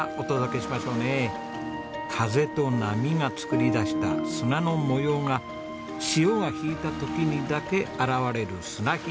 風と波が作り出した砂の模様が潮が引いた時にだけ現れる砂干潟。